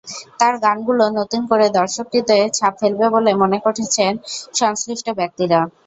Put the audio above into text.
তাঁর গানগুলো নতুন করে দর্শকহৃদয়ে ছাপ ফেলবে বলে মনে করছেন সংশ্লিষ্ট ব্যক্তিরা।